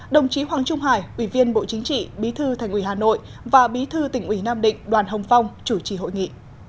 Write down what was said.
đồng chí hoàng trung hải ủy viên bộ chính trị bí thư thành ủy hà nội và bí thư tỉnh ủy nam định đoàn hồng phong chủ trì hội nghị